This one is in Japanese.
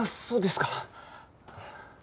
そうですか。